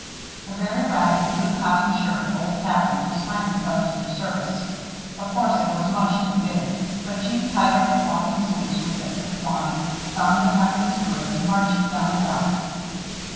A very ragged blue cotton shirt of Old Captain's was finally pressed into service. Of course it was much too big, but Jeanne tied up the flopping sleeves with bits of twine; found the Captain's broom, and marched down the dock.